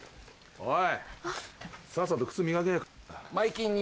おい。